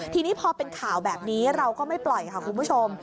ทีนี้พอเป็นข่าวแบบนี้เราก็ไม่ปล่อยค่ะคุณผู้ชม